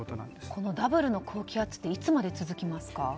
このダブルの高気圧っていつまで続きますか？